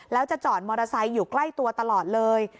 แล้วจะจอดมอเตอร์ไซค์อยู่ใกล้ตัวตลอดเลย